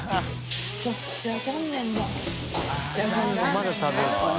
まだ食べるの？